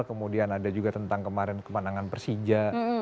kemudian ada juga tentang kemarin kemenangan persija